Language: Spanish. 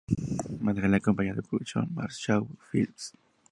Junto a su esposo manejan la compañía de producción "Marshmallow Films".